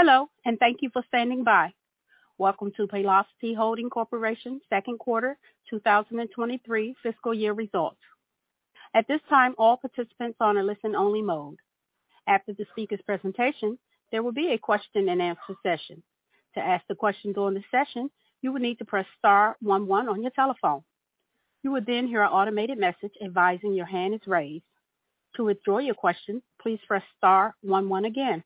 Hello. Thank you for standing by. Welcome to Paylocity Holding Corporation second quarter 2023 fiscal year results. At this time, all participants are on a listen only mode. After the speaker's presentation, there will be a question and answer session. To ask the questions during the session, you will need to press star one one on your telephone. You will then hear an automated message advising your hand is raised. To withdraw your question, please press star one one again.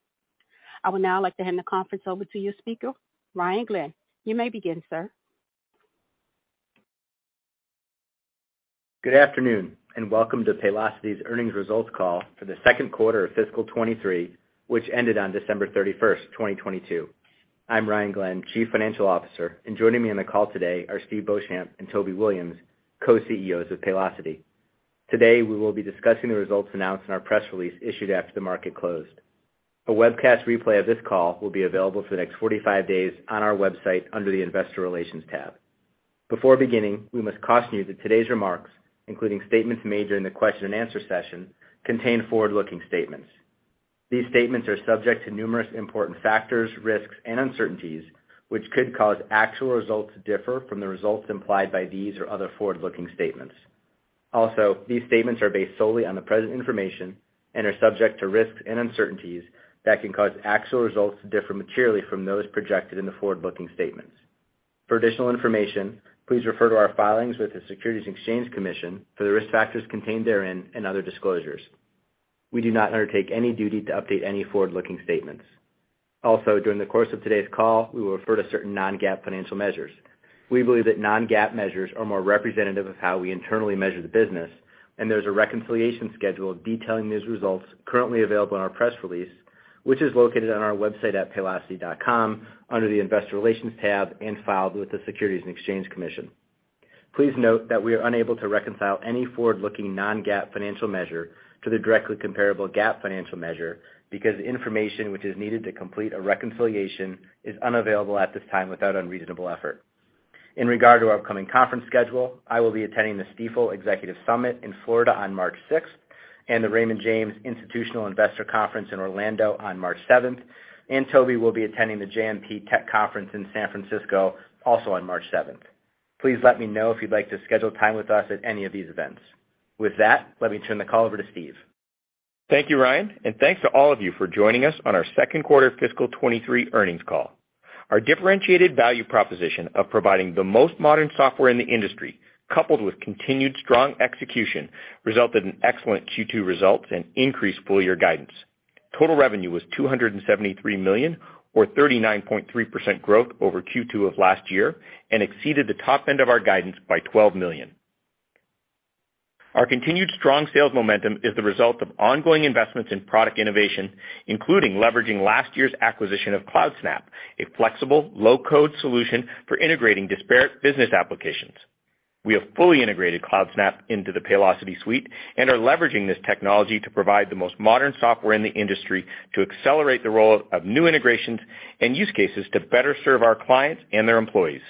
I would now like to hand the conference over to you speaker, Ryan Glenn. You may begin, sir. Good afternoon, welcome to Paylocity's earnings results call for the second quarter of fiscal 23, which ended on December 31st, 2022. I'm Ryan Glenn, Chief Financial Officer, and joining me on the call today are Steve Beauchamp and Toby Williams, Co-CEOs of Paylocity. Today, we will be discussing the results announced in our press release issued after the market closed. A webcast replay of this call will be available for the next 45 days on our website under the Investor Relations tab. Before beginning, we must caution you that today's remarks, including statements made during the question and answer session, contain forward-looking statements. These statements are subject to numerous important factors, risks, and uncertainties, which could cause actual results to differ from the results implied by these or other forward-looking statements. These statements are based solely on the present information and are subject to risks and uncertainties that can cause actual results to differ materially from those projected in the forward-looking statements. For additional information, please refer to our filings with the Securities and Exchange Commission for the risk factors contained therein and other disclosures. We do not undertake any duty to update any forward-looking statements. During the course of today's call, we will refer to certain non-GAAP financial measures. We believe that non-GAAP measures are more representative of how we internally measure the business, and there's a reconciliation schedule detailing these results currently available on our press release, which is located on our website at paylocity.com under the Investor Relations tab and filed with the Securities and Exchange Commission. Please note that we are unable to reconcile any forward-looking non-GAAP financial measure to the directly comparable GAAP financial measure because the information which is needed to complete a reconciliation is unavailable at this time without unreasonable effort. In regard to our upcoming conference schedule, I will be attending the Stifel Executive Summit in Florida on March 6th and the Raymond James Institutional Investor Conference in Orlando on March 7th, and Toby will be attending the JMP Tech Conference in San Francisco also on March 7th. Please let me know if you'd like to schedule time with us at any of these events. With that, let me turn the call over to Steve. Thank you, Ryan, and thanks to all of you for joining us on our second quarter fiscal 23 earnings call. Our differentiated value proposition of providing the most modern software in the industry, coupled with continued strong execution, resulted in excellent Q2 results and increased full year guidance. Total revenue was $273 million or 39.3% growth over Q2 of last year and exceeded the top end of our guidance by $12 million. Our continued strong sales momentum is the result of ongoing investments in product innovation, including leveraging last year's acquisition of Cloudsnap, a flexible low code solution for integrating disparate business applications. We have fully integrated Cloudsnap into the Paylocity suite and are leveraging this technology to provide the most modern software in the industry to accelerate the role of new integrations and use cases to better serve our clients and their employees.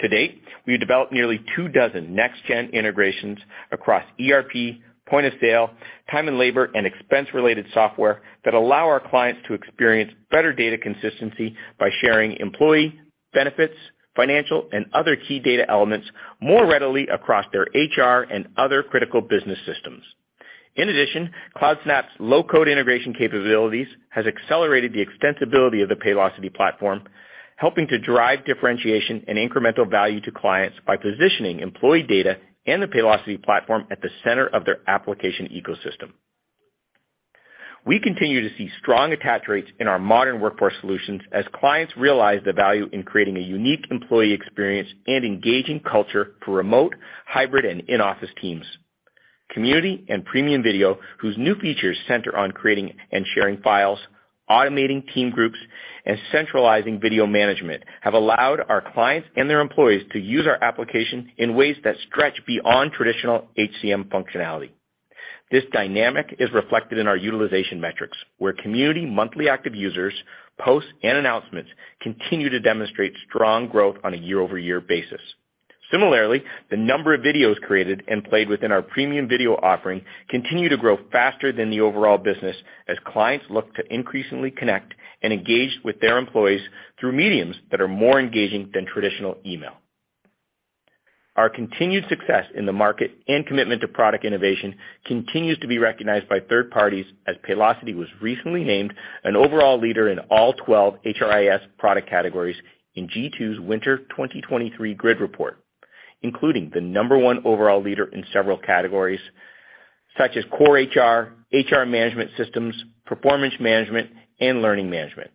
To date, we've developed nearly 2 dozen next-gen integrations across ERP, point of sale, time and labor, and expense related software that allow our clients to experience better data consistency by sharing employee benefits, financial, and other key data elements more readily across their HR and other critical business systems. Cloudsnap's low-code integration capabilities has accelerated the extensibility of the Paylocity platform, helping to drive differentiation and incremental value to clients by positioning employee data and the Paylocity platform at the center of their application ecosystem. We continue to see strong attach rates in our modern workforce solutions as clients realize the value in creating a unique employee experience and engaging culture for remote, hybrid, and in-office teams. Community and Premium Video, whose new features center on creating and sharing files, automating team groups, and centralizing video management, have allowed our clients and their employees to use our application in ways that stretch beyond traditional HCM functionality. This dynamic is reflected in our utilization metrics, where Community monthly active users, posts, and announcements continue to demonstrate strong growth on a year-over-year basis. Similarly, the number of videos created and played within our Premium Video offering continue to grow faster than the overall business as clients look to increasingly connect and engage with their employees through mediums that are more engaging than traditional email. Our continued success in the market and commitment to product innovation continues to be recognized by third parties as Paylocity was recently named an overall leader in all 12 HRIS product categories in G2's Winter 2023 Grid Report, including the number 1 overall leader in several categories such as core HR management systems, performance management, and learning management.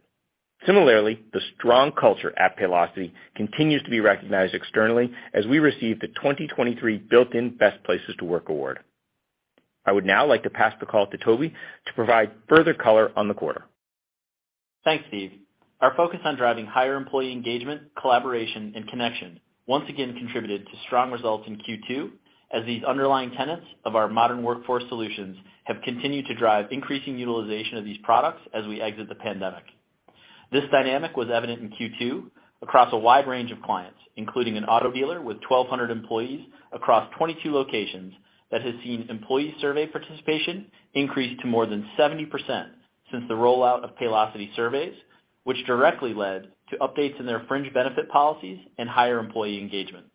The strong culture at Paylocity continues to be recognized externally as we receive the 2023 Built In Best Places to Work award. I would now like to pass the call to Toby to provide further color on the quarter. Thanks, Steve. Our focus on driving higher employee engagement, collaboration, and connection once again contributed to strong results in Q2 as these underlying tenets of our modern workforce solutions have continued to drive increasing utilization of these products as we exit the pandemic. This dynamic was evident in Q2 across a wide range of clients, including an auto dealer with 1,200 employees across 22 locations that has seen employee survey participation increase to more than 70% since the rollout of Paylocity surveys, which directly led to updates in their fringe benefit policies and higher employee engagement.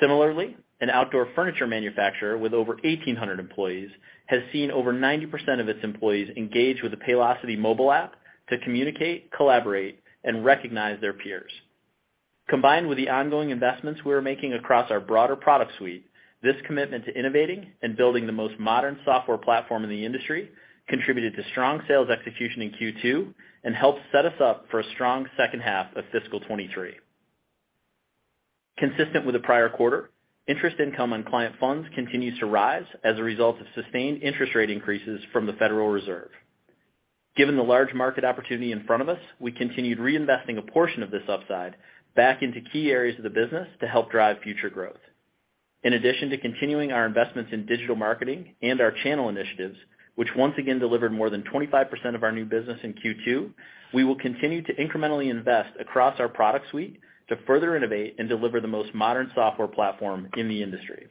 Similarly, an outdoor furniture manufacturer with over 1,800 employees has seen over 90% of its employees engage with the Paylocity mobile app to communicate, collaborate, and recognize their peers. Combined with the ongoing investments we are making across our broader product suite, this commitment to innovating and building the most modern software platform in the industry contributed to strong sales execution in Q2 and helped set us up for a strong second half of fiscal 23. Consistent with the prior quarter, interest income on client funds continues to rise as a result of sustained interest rate increases from the Federal Reserve. Given the large market opportunity in front of us, we continued reinvesting a portion of this upside back into key areas of the business to help drive future growth. In addition to continuing our investments in digital marketing and our channel initiatives, which once again delivered more than 25% of our new business in Q2, we will continue to incrementally invest across our product suite to further innovate and deliver the most modern software platform in the industry.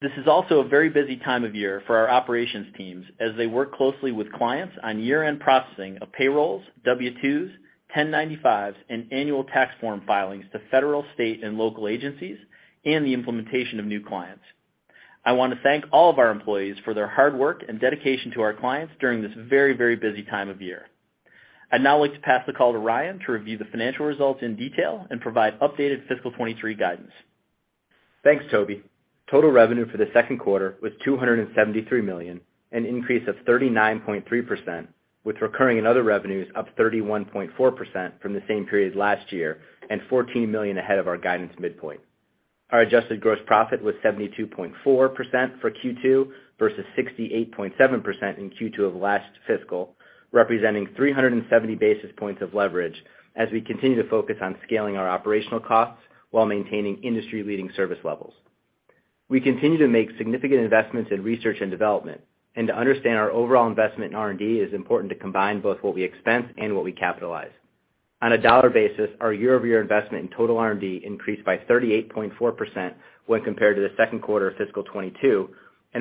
This is also a very busy time of year for our operations teams as they work closely with clients on year-end processing of payrolls, W-2s, 1099s, and annual tax form filings to federal, state, and local agencies and the implementation of new clients. I want to thank all of our employees for their hard work and dedication to our clients during this very, very busy time of year. I'd now like to pass the call to Ryan to review the financial results in detail and provide updated fiscal 23 guidance. Thanks, Toby. Total revenue for the second quarter was $273 million, an increase of 39.3%, with recurring and other revenues up 31.4% from the same period last year and $14 million ahead of our guidance midpoint. Our Adjusted gross profit was 72.4% for Q2 versus 68.7% in Q2 of last fiscal, representing 370 basis points of leverage as we continue to focus on scaling our operational costs while maintaining industry-leading service levels. To understand our overall investment in R&D is important to combine both what we expense and what we capitalize. On a dollar basis, our year-over-year investment in total R&D increased by 38.4% when compared to the second quarter of fiscal 2022.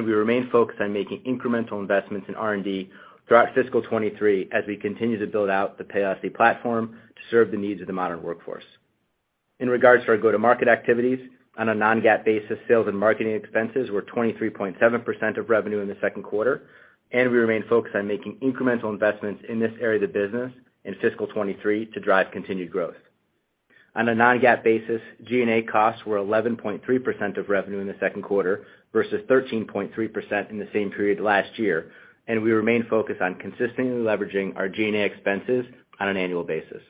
We remain focused on making incremental investments in R&D throughout fiscal 2023 as we continue to build out the Paylocity platform to serve the needs of the modern workforce. In regards to our go-to-market activities, on a non-GAAP basis, sales and marketing expenses were 23.7% of revenue in the second quarter. We remain focused on making incremental investments in this area of the business in fiscal 2023 to drive continued growth. On a non-GAAP basis, G&A costs were 11.3% of revenue in the second quarter versus 13.3% in the same period last year. We remain focused on consistently leveraging our G&A expenses on an annual basis.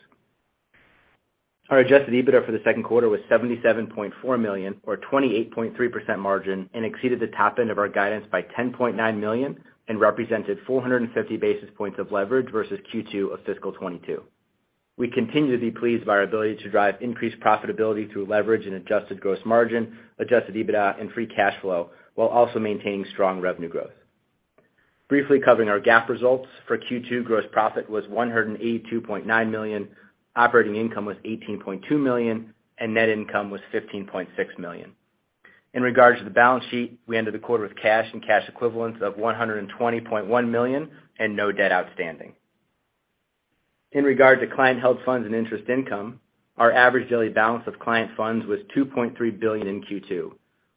Our adjusted EBITDA for the second quarter was $77.4 million, or 28.3% margin, and exceeded the top end of our guidance by $10.9 million and represented 450 basis points of leverage versus Q2 of fiscal 2022. We continue to be pleased by our ability to drive increased profitability through leverage and adjusted gross margin, adjusted EBITDA, and free cash flow, while also maintaining strong revenue growth. Briefly covering our GAAP results. For Q2, gross profit was $182.9 million, operating income was $18.2 million, and net income was $15.6 million. In regards to the balance sheet, we ended the quarter with cash and cash equivalents of $120.1 million and no debt outstanding. In regard to client held funds and interest income, our average daily balance of client funds was $2.3 billion in Q2.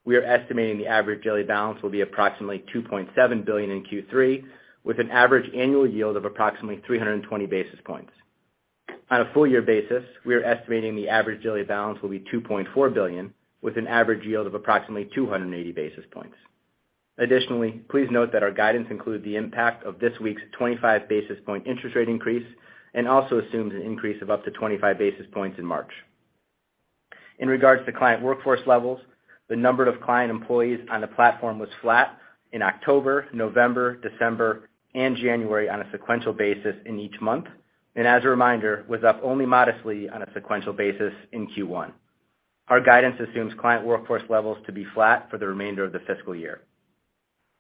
We are estimating the average daily balance will be approximately $2.7 billion in Q3, with an average annual yield of approximately 320 basis points. On a full year basis, we are estimating the average daily balance will be $2.4 billion, with an average yield of approximately 280 basis points. Additionally, please note that our guidance includes the impact of this week's 25 basis point interest rate increase and also assumes an increase of up to 25 basis points in March. In regards to client workforce levels, the number of client employees on the platform was flat in October, November, December, and January on a sequential basis in each month, and as a reminder, was up only modestly on a sequential basis in Q1. Our guidance assumes client workforce levels to be flat for the remainder of the fiscal year.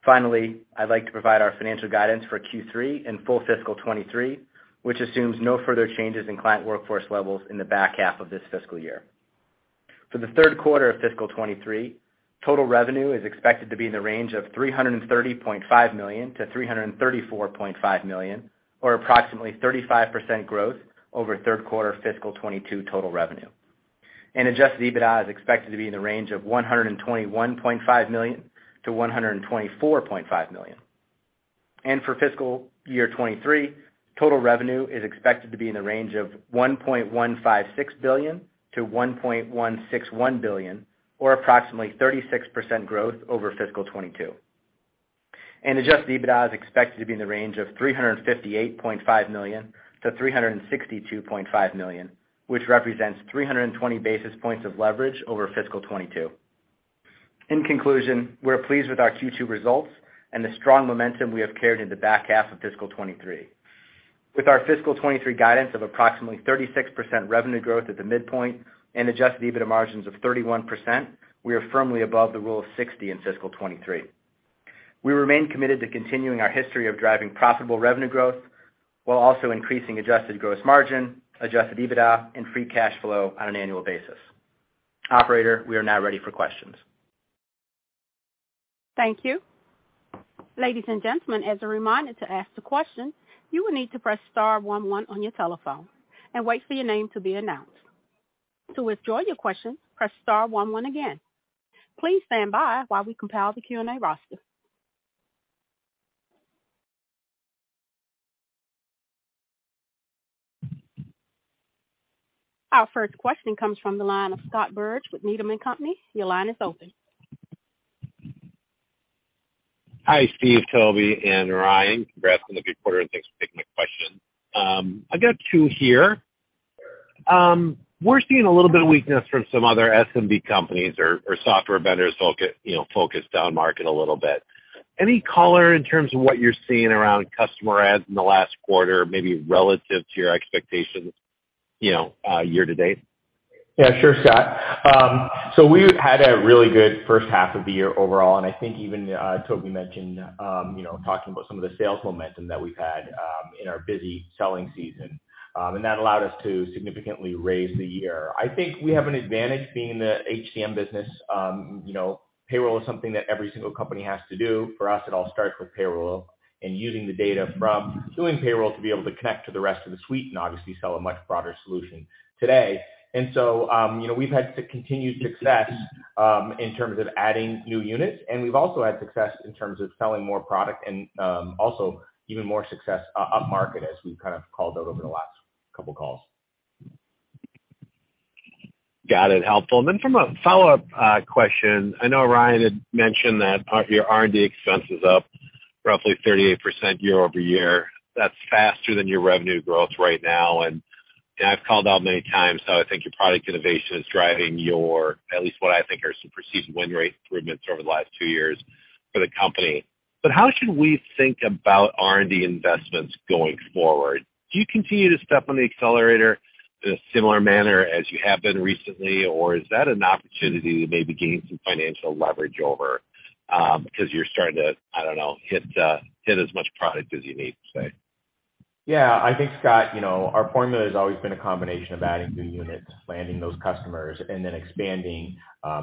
Finally, I'd like to provide our financial guidance for Q3 and full fiscal 23, which assumes no further changes in client workforce levels in the back half of this fiscal year. For the third quarter of fiscal 23, total revenue is expected to be in the range of $330.5 million-$334.5 million, or approximately 35% growth over third quarter fiscal 22 total revenue. Adjusted EBITDA is expected to be in the range of $121.5 million-$124.5 million. For fiscal year 2023, total revenue is expected to be in the range of $1.156 billion-$1.161 billion, or approximately 36% growth over fiscal 2022. Adjusted EBITDA is expected to be in the range of $358.5 million-$362.5 million, which represents 320 basis points of leverage over fiscal 2022. In conclusion, we're pleased with our Q2 results and the strong momentum we have carried in the back half of fiscal 2023. With our fiscal 2023 guidance of approximately 36% revenue growth at the midpoint and adjusted EBITDA margins of 31%, we are firmly above the Rule of 60 in fiscal 2023. We remain committed to continuing our history of driving profitable revenue growth while also increasing adjusted gross margin, adjusted EBITDA, and free cash flow on an annual basis. Operator, we are now ready for questions. Thank you. Ladies and gentlemen, as a reminder to ask the question, you will need to press star 11 on your telephone and wait for your name to be announced. To withdraw your question, press star one one again. Please stand by while we compile the Q&A roster. Our first question comes from the line of Scott Berg with Needham & Company. Your line is open. Hi, Steve, Toby, and Ryan. Congrats on the good quarter, and thanks for taking my question. I got two here. We're seeing a little bit of weakness from some other SMB companies or software vendors focus, you know, focused down market a little bit. Any color in terms of what you're seeing around customer ads in the last quarter, maybe relative to your expectations, you know, year to date? Yeah, sure, Scott. We've had a really good first half of the year overall, and I think even Toby mentioned, you know, talking about some of the sales momentum that we've had in our busy selling season. That allowed us to significantly raise the year. I think we have an advantage being in the HCM business. You know, payroll is something that every single company has to do. For us, it all starts with payroll and using the data from doing payroll to be able to connect to the rest of the suite and obviously sell a much broader solution today. You know, we've had continued success in terms of adding new units, and we've also had success in terms of selling more product and also even more success upmarket as we've kind of called out over the last couple of calls. Got it. Helpful. From a follow-up question. I know Ryan had mentioned that your R&D expense is up roughly 38% year over year. That's faster than your revenue growth right now. I've called out many times how I think your product innovation is driving your, at least what I think are some perceived win rate improvements over the last two years for the company. How should we think about R&D investments going forward? Do you continue to step on the accelerator in a similar manner as you have been recently? Is that an opportunity to maybe gain some financial leverage over, because you're starting to, I don't know, hit as much product as you need, say? Yeah, I think, Scott, you know, our formula has always been a combination of adding new units, landing those customers, and then expanding,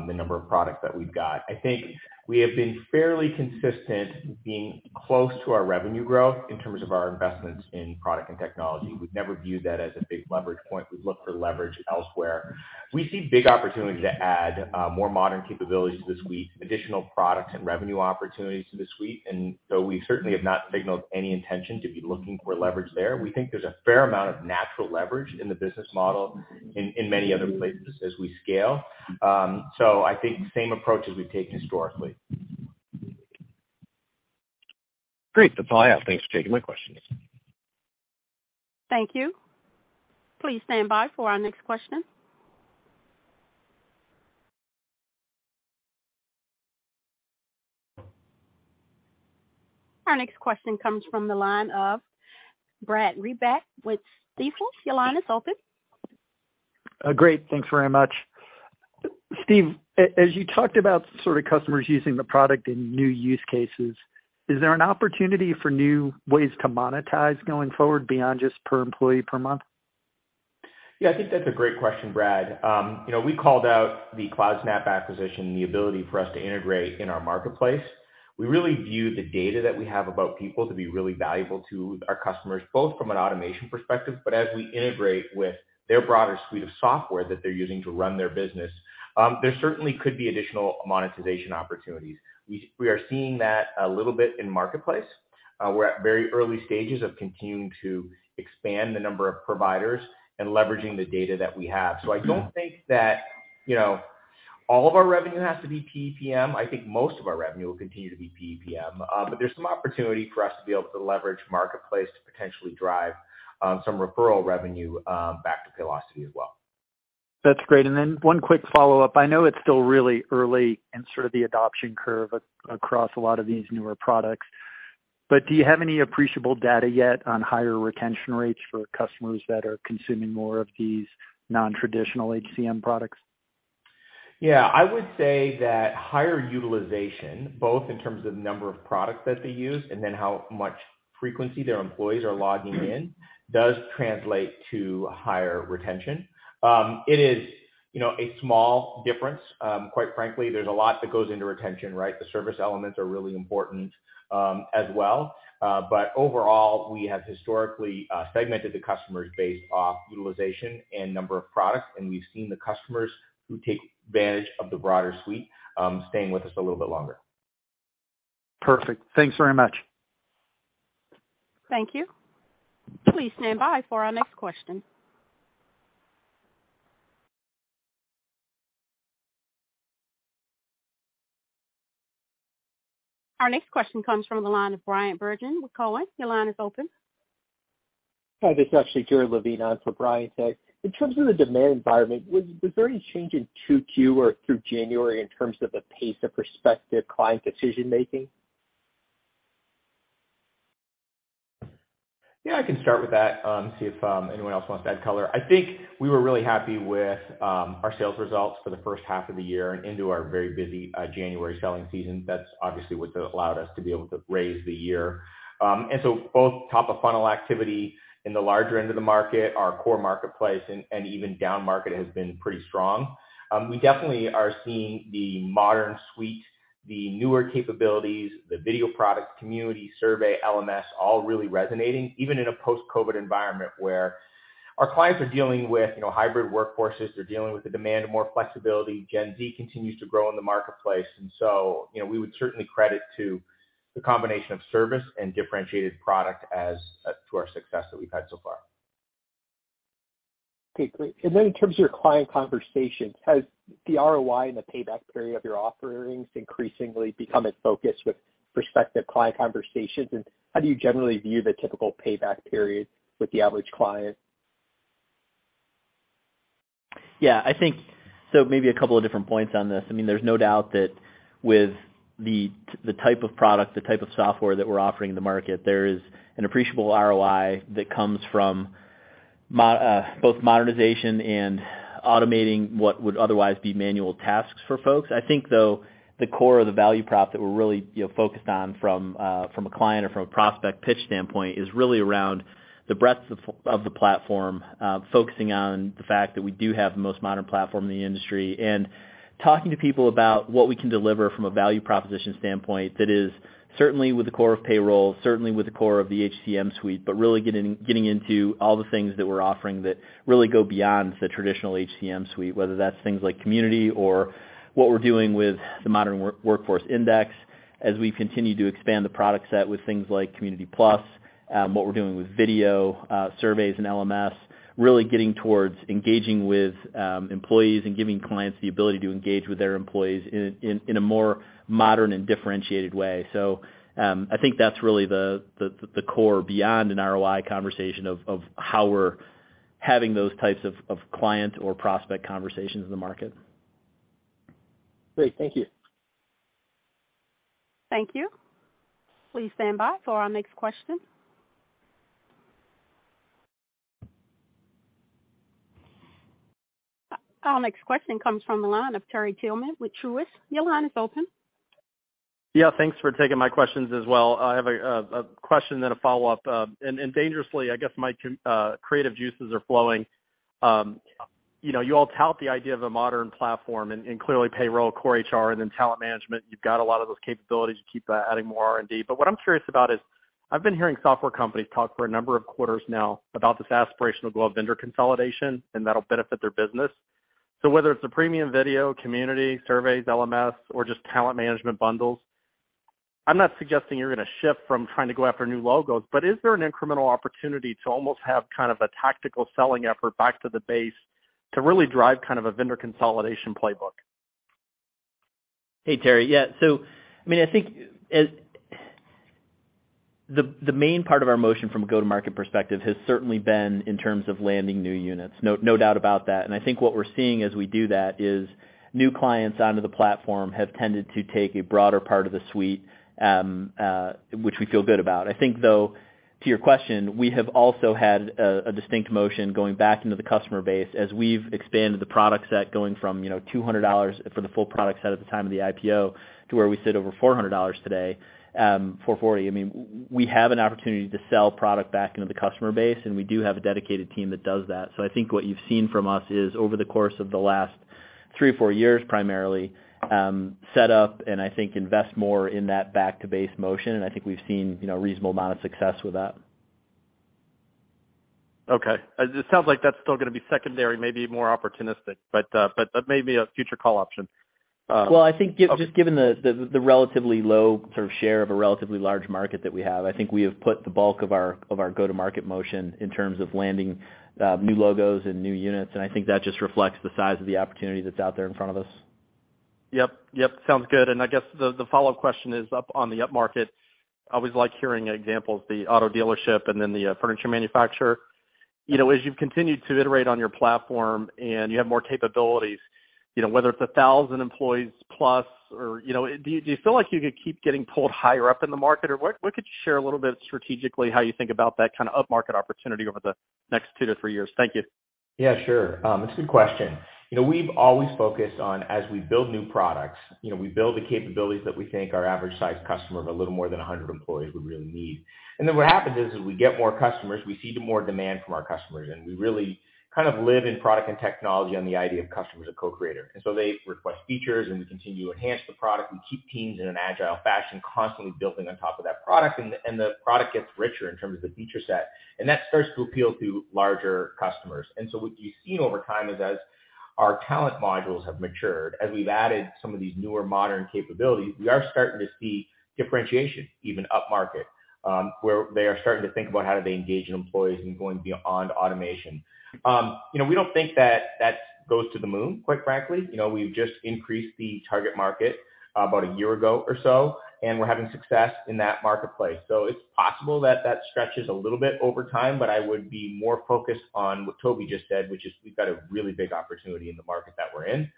the number of products that we've got. I think we have been fairly consistent being close to our revenue growth in terms of our investments in product and technology. We've never viewed that as a big leverage point. We've looked for leverage elsewhere. We see big opportunities to add, more modern capabilities to the suite, additional products and revenue opportunities to the suite. We certainly have not signaled any intention to be looking for leverage there. We think there's a fair amount of natural leverage in the business model in many other places as we scale. I think same approach as we've taken historically. Great. That's all I have. Thanks for taking my questions. Thank you. Please stand by for our next question. Our next question comes from the line of Brad Reback with Stifel. Your line is open. Great. Thanks very much. Steve, as you talked about sort of customers using the product in new use cases, is there an opportunity for new ways to monetize going forward beyond just per employee per month? Yeah, I think that's a great question, Brad. You know, we called out the CloudSnap acquisition, the ability for us to integrate in our Marketplace. We really view the data that we have about people to be really valuable to our customers, both from an automation perspective, but as we integrate with their broader suite of software that they're using to run their business. There certainly could be additional monetization opportunities. We are seeing that a little bit in Marketplace. We're at very early stages of continuing to expand the number of providers and leveraging the data that we have. I don't think that, you know, all of our revenue has to be PEPM. I think most of our revenue will continue to be PEPM. There's some opportunity for us to be able to leverage Marketplace to potentially drive, some referral revenue, back to Paylocity as well. That's great. One quick follow-up. I know it's still really early in sort of the adoption curve across a lot of these newer products, but do you have any appreciable data yet on higher retention rates for customers that are consuming more of these non-traditional HCM products? Yeah. I would say that higher utilization, both in terms of number of products that they use and then how much frequency their employees are logging in, does translate to higher retention. It is, you know, a small difference. Quite frankly, there's a lot that goes into retention, right? The service elements are really important, as well. Overall, we have historically segmented the customers based off utilization and number of products, and we've seen the customers who take advantage of the broader suite, staying with us a little bit longer. Perfect. Thanks very much. Thank you. Please stand by for our next question. Our next question comes from the line of Bryan Bergin with Cowen. Your line is open. Hi, this is actually Jared Levine on for Bryan. In terms of the demand environment, was there any change in 2Q or through January in terms of the pace of prospective client decision-making? Yeah, I can start with that, see if anyone else wants to add color. I think we were really happy with our sales results for the first half of the year and into our very busy January selling season. That's obviously what allowed us to be able to raise the year. Both top of funnel activity in the larger end of the market, our core Marketplace, and even down market has been pretty strong. We definitely are seeing the modern suite, the newer capabilities, the video products, Community survey, LMS, all really resonating, even in a post-COVID environment where our clients are dealing with, you know, hybrid workforces. They're dealing with the demand of more flexibility. Gen Z continues to grow in the Marketplace. You know, we would certainly credit to the combination of service and differentiated product as to our success that we've had so far. Okay, great. Then in terms of your client conversations, has the ROI and the payback period of your offerings increasingly become a focus with prospective client conversations? How do you generally view the typical payback period with the average client? Yeah, I think so maybe a couple of different points on this. I mean, there's no doubt that with the type of product, the type of software that we're offering in the market, there is an appreciable ROI that comes from both modernization and automating what would otherwise be manual tasks for folks. I think, though, the core of the value prop that we're really, you know, focused on from a client or from a prospect pitch standpoint is really around the breadth of the platform, focusing on the fact that we do have the most modern platform in the industry, and talking to people about what we can deliver from a value proposition standpoint that is certainly with the core of payroll, certainly with the core of the HCM suite, but really getting into all the things that we're offering that really go beyond the traditional HCM suite, whether that's things like Community or what we're doing with the Modern Workforce Index, as we continue to expand the product set with things like Community Plus, what we're doing with video, surveys and LMS, really getting towards engaging with employees and giving clients the ability to engage with their employees in a more modern and differentiated way. I think that's really the core beyond an ROI conversation of how we're having those types of client or prospect conversations in the market. Great. Thank you. Thank you. Please stand by for our next question. Our next question comes from the line of Terry Tillman with Truist. Your line is open. Yeah, thanks for taking my questions as well. I have a question then a follow-up. Dangerously, I guess my creative juices are flowing. You know, you all tout the idea of a modern platform and clearly payroll, core HR, and then talent management. You've got a lot of those capabilities. You keep adding more R&D. What I'm curious about is, I've been hearing software companies talk for a number of quarters now about this aspirational goal of vendor consolidation, and that'll benefit their business. Whether it's the Premium Video, Community, surveys, LMS, or just talent management bundles, I'm not suggesting you're gonna shift from trying to go after new logos, but is there an incremental opportunity to almost have kind of a tactical selling effort back to the base to really drive kind of a vendor consolidation playbook? Hey, Terry. Yeah. I mean, I think the main part of our motion from a go-to-market perspective has certainly been in terms of landing new units. No doubt about that. I think what we're seeing as we do that is new clients onto the platform have tended to take a broader part of the suite, which we feel good about. I think, though, to your question, we have also had a distinct motion going back into the customer base as we've expanded the product set going from, you know, $200 for the full product set at the time of the IPO to where we sit over $400 today, $440. I mean, we have an opportunity to sell product back into the customer base, and we do have a dedicated team that does that. I think what you've seen from us is, over the course of the last three, four years, primarily, set up and I think invest more in that back to base motion, and I think we've seen, you know, a reasonable amount of success with that. It sounds like that's still going to be secondary, maybe more opportunistic, but maybe a future call option. Well, I think just given the relatively low sort of share of a relatively large market that we have, I think we have put the bulk of our go-to-market motion in terms of landing new logos and new units. I think that just reflects the size of the opportunity that's out there in front of us. Yep. Yep. Sounds good. I guess the follow-up question is up on the up-market. I always like hearing examples, the auto dealership and then the furniture manufacturer. You know, as you've continued to iterate on your platform and you have more capabilities, you know, whether it's a 1,000 employees plus or, you know, do you feel like you could keep getting pulled higher up in the market? What could you share a little bit strategically how you think about that kind of up-market opportunity over the next two to three years? Thank you. Yeah, sure. It's a good question. You know, we've always focused on as we build new products, you know, we build the capabilities that we think our average size customer of a little more than 100 employees would really need. What happens is, as we get more customers, we see the more demand from our customers, and we really kind of live in product and technology on the idea of customers as co-creator. They request features, and we continue to enhance the product. We keep teams in an agile fashion, constantly building on top of that product, and the product gets richer in terms of the feature set, and that starts to appeal to larger customers. What you've seen over time is as our talent modules have matured, as we've added some of these newer modern capabilities, we are starting to see differentiation, even upmarket, where they are starting to think about how do they engage employees and going beyond automation. You know, we don't think that that goes to the moon, quite frankly. You know, we've just increased the target market about a year ago or so, and we're having success in that marketplace. It's possible that that stretches a little bit over time, but I would be more focused on what Toby just said, which is we've got a really big opportunity in the market that we're in.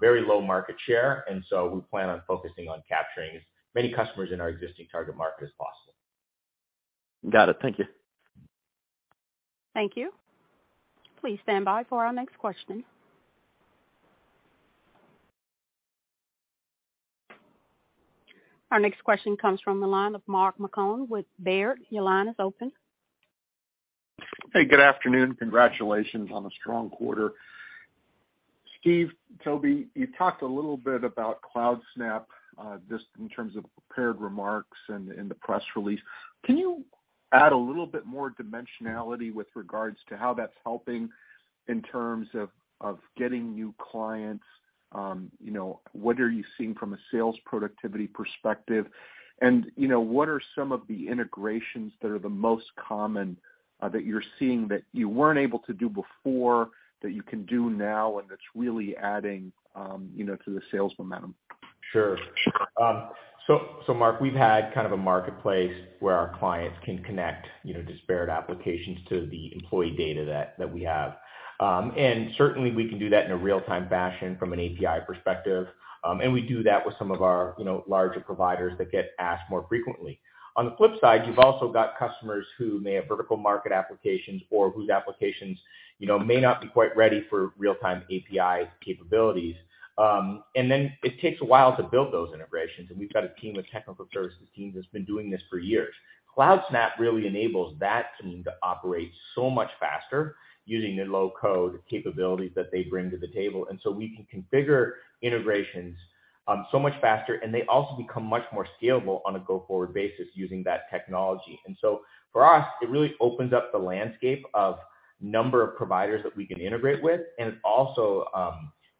Very low market share, and so we plan on focusing on capturing as many customers in our existing target market as possible. Got it. Thank you. Thank you. Please stand by for our next question. Our next question comes from the line of Mark Marcon with Baird. Your line is open. Hey, good afternoon. Congratulations on a strong quarter. Steve, Toby, you talked a little bit about Cloudsnap, just in terms of prepared remarks and in the press release. Can you add a little bit more dimensionality with regards to how that's helping in terms of getting new clients? You know, what are you seeing from a sales productivity perspective? You know, what are some of the integrations that are the most common, that you're seeing that you weren't able to do before that you can do now, and it's really adding, you know, to the sales momentum? Sure. So Mark, we've had kind of a Marketplace where our clients can connect, you know, disparate applications to the employee data that we have. Certainly we can do that in a real-time fashion from an API perspective. We do that with some of our, you know, larger providers that get asked more frequently. On the flip side, you've also got customers who may have vertical market applications or whose applications, you know, may not be quite ready for real-time API capabilities. It takes a while to build those integrations. We've got a team of technical services teams that's been doing this for years. CloudSnap really enables that team to operate so much faster using the low code capabilities that they bring to the table. We can configure integrations, so much faster, and they also become much more scalable on a go-forward basis using that technology. For us, it really opens up the landscape of number of providers that we can integrate with, and it also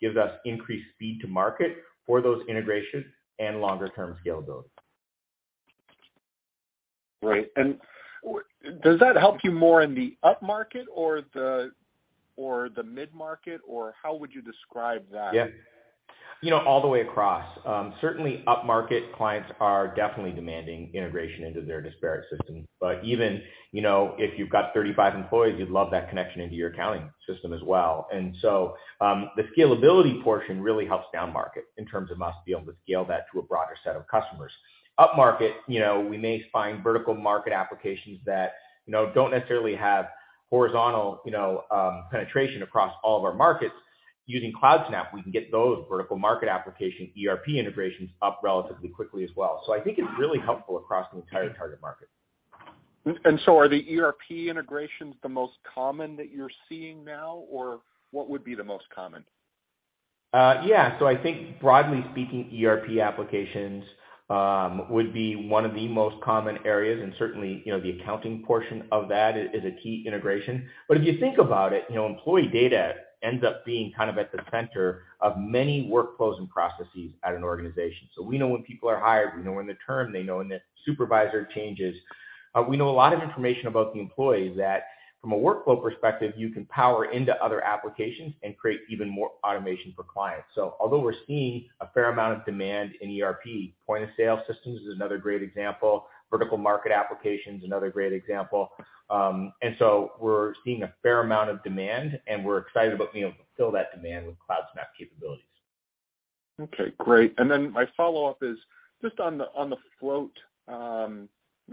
gives us increased speed to market for those integrations and longer term scalability. Right. Does that help you more in the upmarket or the mid-market, or how would you describe that? Yeah. You know, all the way across. Certainly upmarket clients are definitely demanding integration into their disparate systems. Even, you know, if you've got 35 employees, you'd love that connection into your accounting system as well. The scalability portion really helps downmarket in terms of us being able to scale that to a broader set of customers. Upmarket, you know, we may find vertical market applications that, you know, don't necessarily have horizontal, you know, penetration across all of our markets. Using Cloudsnap, we can get those vertical market application ERP integrations up relatively quickly as well. I think it's really helpful across the entire target market. Are the ERP integrations the most common that you're seeing now, or what would be the most common? Yeah. I think broadly speaking, ERP applications would be one of the most common areas, and certainly, you know, the accounting portion of that is a key integration. If you think about it, you know, employee data ends up being kind of at the center of many workflows and processes at an organization. We know when people are hired, we know when they're termed, they know when the supervisor changes. We know a lot of information about the employee that from a workflow perspective, you can power into other applications and create even more automation for clients. Although we're seeing a fair amount of demand in ERP, point of sale systems is another great example, vertical market application's another great example. We're seeing a fair amount of demand, and we're excited about being able to fill that demand with Cloudsnap capabilities. Okay, great. Then my follow-up is just on the float, the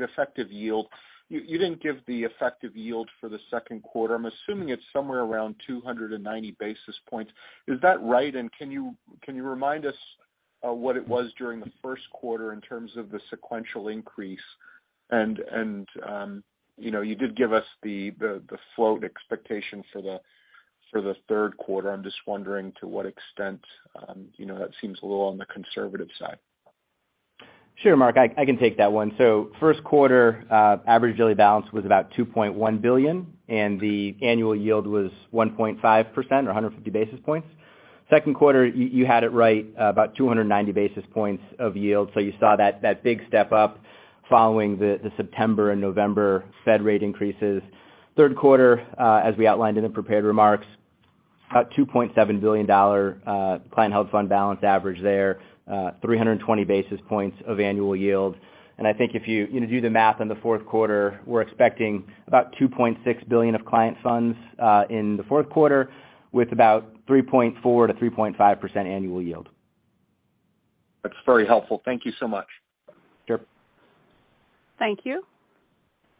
effective yield. You didn't give the effective yield for the second quarter. I'm assuming it's somewhere around 290 basis points. Is that right? Can you remind us what it was during the first quarter in terms of the sequential increase? You know, you did give us the float expectation for the third quarter. I'm just wondering to what extent, you know, that seems a little on the conservative side. Sure, Mark. I can take that one. First quarter, average daily balance was about $2.1 billion, and the annual yield was 1.5% or 150 basis points. Second quarter, you had it right, about 290 basis points of yield. You saw that big step up following the September and November Fed rate increases. Third quarter, as we outlined in the prepared remarks, about $2.7 billion client held fund balance average there, 320 basis points of annual yield. I think if you do the math on the fourth quarter, we're expecting about $2.6 billion of client funds in the fourth quarter, with about 3.4%-3.5% annual yield. That's very helpful. Thank you so much. Sure. Thank you.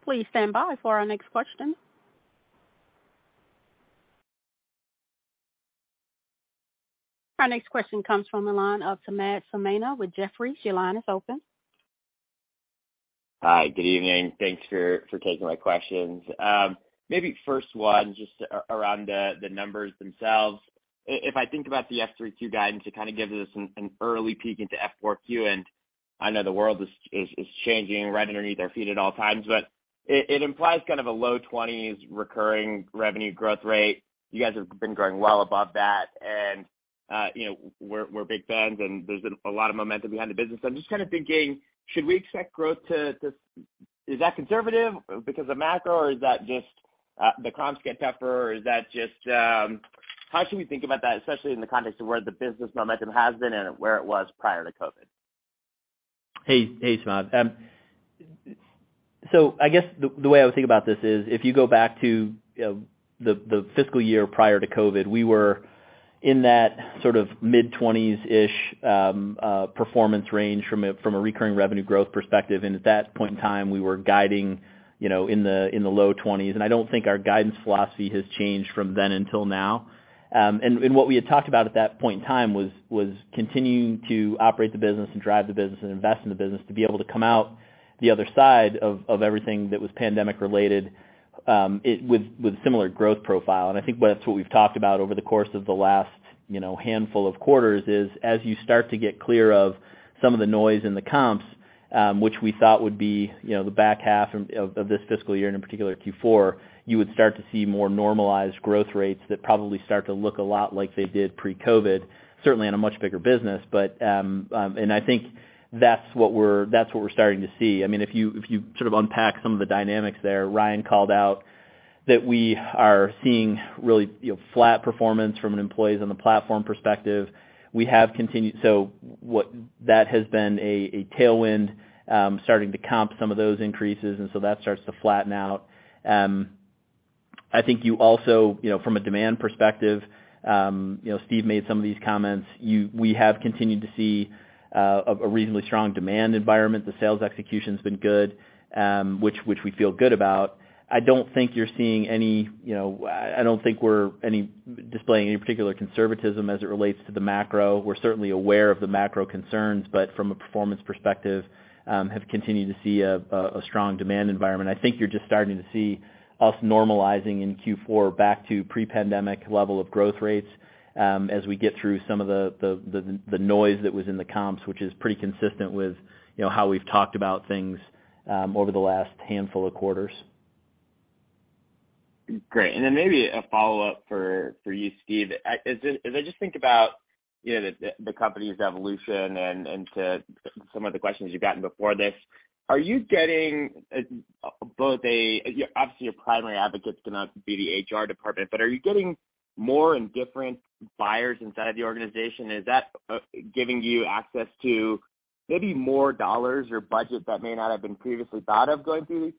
Please stand by for our next question. Our next question comes from the line of Samad Samana with Jefferies. Your line is open. Hi. Good evening. Thanks for taking my questions. maybe first one just around the numbers themselves. If I think about the F3 Q guidance, it kind of gives us an early peek into F4 Q. I know the world is changing right underneath our feet at all times. It implies kind of a low 20s recurring revenue growth rate. You guys have been growing well above that. You know, we're big fans, and there's been a lot of momentum behind the business. I'm just kind of thinking, should we expect growth to...? Is that conservative because of macro, or is that just the crumbs get pepper? Or is that just...? How should we think about that, especially in the context of where the business momentum has been and where it was prior to COVID? Hey, hey, Samad. I guess the way I would think about this is, if you go back to, you know, the fiscal year prior to COVID, we were in that sort of mid-20s-ish performance range from a recurring revenue growth perspective. At that point in time, we were guiding, you know, in the low 20s. I don't think our guidance philosophy has changed from then until now. What we had talked about at that point in time was continuing to operate the business and drive the business and invest in the business to be able to come out the other side of everything that was pandemic related with similar growth profile. I think that's what we've talked about over the course of the last, you know, handful of quarters, is as you start to get clear of some of the noise in the comps, which we thought would be, you know, the back half of this fiscal year, and in particular Q4, you would start to see more normalized growth rates that probably start to look a lot like they did pre-COVID, certainly on a much bigger business. I think that's what we're starting to see. I mean, if you, if you sort of unpack some of the dynamics there, Ryan called out that we are seeing really, you know, flat performance from an employees on the platform perspective. That has been a tailwind, starting to comp some of those increases, and so that starts to flatten out. I think you also, you know, from a demand perspective, you know, Steve made some of these comments. We have continued to see a reasonably strong demand environment. The sales execution's been good, which we feel good about. I don't think you're seeing any, you know, I don't think we're displaying any particular conservatism as it relates to the macro. We're certainly aware of the macro concerns, but from a performance perspective, have continued to see a strong demand environment. I think you're just starting to see us normalizing in Q4 back to pre-pandemic level of growth rates, as we get through some of the noise that was in the comps, which is pretty consistent with, you know, how we've talked about things, over the last handful of quarters. Great. Maybe a follow-up for you, Steve. As I just think about, you know, the company's evolution and to some of the questions you've gotten before this, are you getting, Obviously, your primary advocates turn out to be the HR department, but are you getting more and different buyers inside of the organization? Is that giving you access to maybe more dollars or budget that may not have been previously thought of going through that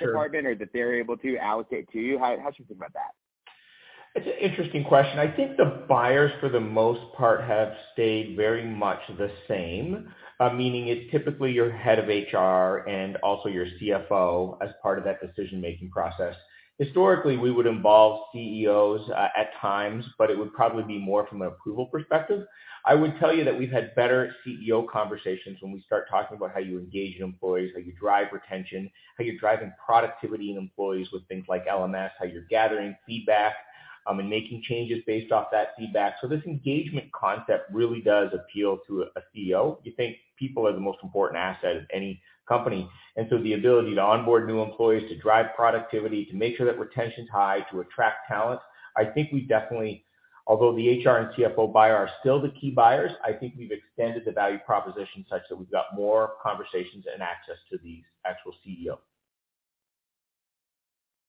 department? Sure. or that they're able to allocate to you? How should we think about that? It's an interesting question. I think the buyers, for the most part, have stayed very much the same, meaning it's typically your Head of HR and also your CFO as part of that decision-making process. Historically, we would involve CEOs, at times, but it would probably be more from an approval perspective. I would tell you that we've had better CEO conversations when we start talking about how you engage employees, how you drive retention, how you're driving productivity in employees with things like LMS, how you're gathering feedback, and making changes based off that feedback. This engagement concept really does appeal to a CEO. You think people are the most important asset of any company. The ability to onboard new employees, to drive productivity, to make sure that retention's high, to attract talent, Although the HR and CFO buyer are still the key buyers, I think we've extended the value proposition such that we've got more conversations and access to the actual CEO.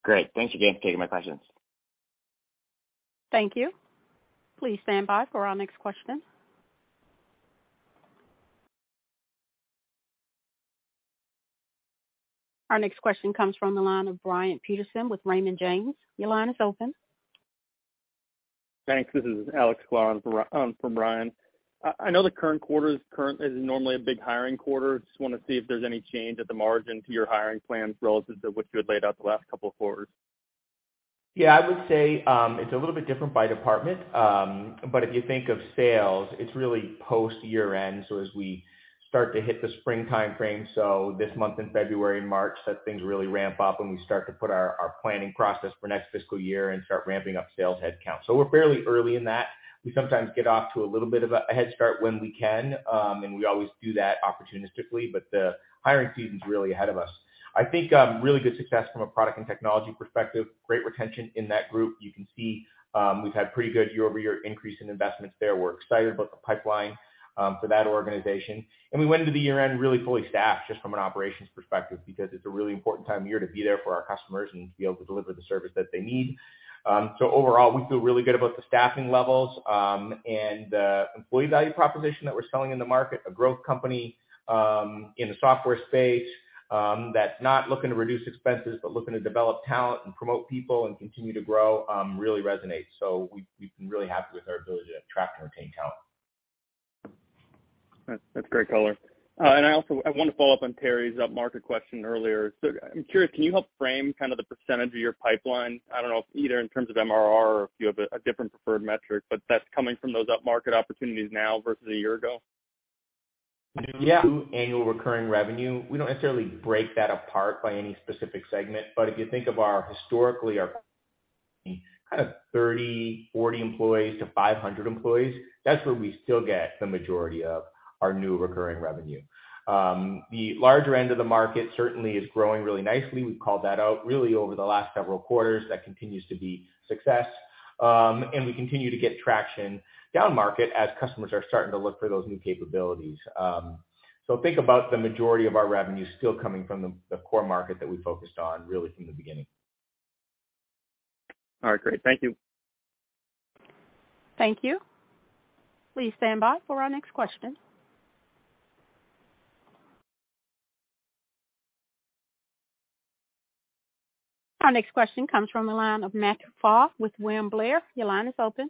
Great. Thanks again for taking my questions. Thank you. Please stand by for our next question. Our next question comes from the line of Bryant Peterson with Raymond James. Your line is open. Thanks. This is Alex Sklar for Bryant. I know the current quarter is normally a big hiring quarter. Just wanna see if there's any change at the margin to your hiring plans relative to what you had laid out the last couple of quarters. Yeah, I would say, it's a little bit different by department. But if you think of sales, it's really post year-end, so as we start to hit the spring timeframe, so this month in February and March, that things really ramp up, and we start to put our planning process for next fiscal year and start ramping up sales headcount. We're fairly early in that. We sometimes get off to a little bit of a head start when we can, and we always do that opportunistically, but the hiring season's really ahead of us. I think, really good success from a product and technology perspective, great retention in that group. You can see, we've had pretty good year-over-year increase in investments there. We're excited about the pipeline for that organization. We went into the year-end really fully staffed just from an operations perspective because it's a really important time of year to be there for our customers and to be able to deliver the service that they need. Overall, we feel really good about the staffing levels. The employee value proposition that we're selling in the market, a growth company, in the software space, that's not looking to reduce expenses, but looking to develop talent and promote people and continue to grow, really resonates. We've been really happy with our ability to attract and retain talent. That's, that's great color. I want to follow up on Terry's up-market question earlier. I'm curious, can you help frame kind of the % of your pipeline? I don't know if either in terms of MRR or if you have a different preferred metric, but that's coming from those up-market opportunities now versus a year ago. Yeah. Annual recurring revenue, we don't necessarily break that apart by any specific segment. If you think of our, historically, our kind of 30, 40 employees to 500 employees, that's where we still get the majority of our new recurring revenue. The larger end of the market certainly is growing really nicely. We've called that out really over the last several quarters. That continues to be success. We continue to get traction downmarket as customers are starting to look for those new capabilities. Think about the majority of our revenue still coming from the core market that we focused on really from the beginning. All right, great. Thank you. Thank you. Please stand by for our next question. Our next question comes from the line of Matt Pfau with William Blair. Your line is open.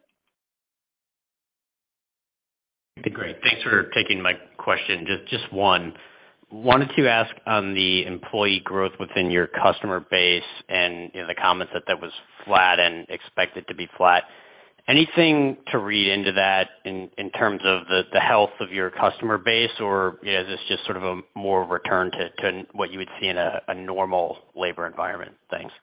Great. Thanks for taking my question. Just one. Wanted to ask on the employee growth within your customer base and, you know, the comments that was flat and expected to be flat. Anything to read into that in terms of the health of your customer base or is this just sort of a more return to what you would see in a normal labor environment? Thanks.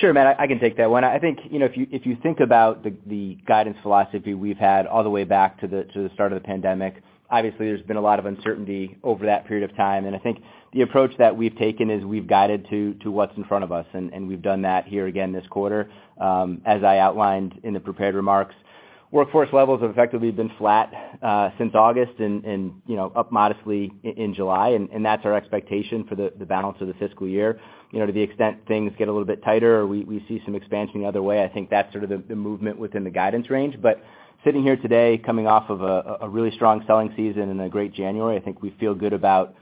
Sure, Matt, I can take that one. I think, you know, if you think about the guidance philosophy we've had all the way back to the start of the pandemic, obviously there's been a lot of uncertainty over that period of time. I think the approach that we've taken is we've guided to what's in front of us, and we've done that here again this quarter. As I outlined in the prepared remarks, workforce levels have effectively been flat since August and, you know, up modestly in July, and that's our expectation for the balance of the fiscal year. You know, to the extent things get a little bit tighter or we see some expansion the other way, I think that's sort of the movement within the guidance range. Sitting here today, coming off of a really strong selling season and a great January, I think we feel good about